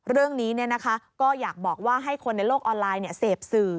เรื่องนี้เนี่ยนะคะก็อยากบอกว่าให้คนในโลกออนไลน์เนี่ยเสพสื่อ